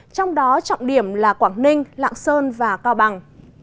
trong đó trọng điểm là quảng ninh lạng sơn và cao bằng